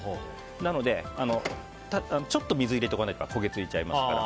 なので、ちょっと水を入れないと焦げ付いちゃいますから。